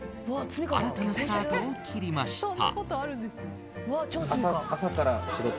新たなスタートを切りました。